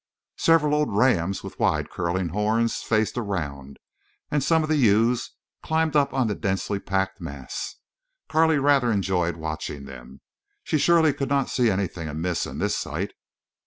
Several old rams with wide curling horns faced around; and some of the ewes climbed up on the densely packed mass. Carley rather enjoyed watching them. She surely could not see anything amiss in this sight.